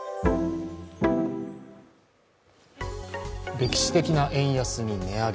歴史的な円安に値上げ。